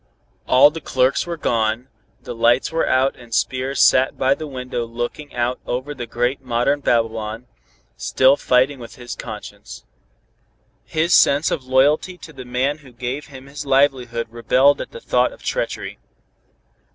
All the clerks were gone, the lights were out and Spears sat by the window looking out over the great modern Babylon, still fighting with his conscience. His sense of loyalty to the man who gave him his livelihood rebelled at the thought of treachery.